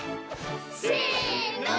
せの。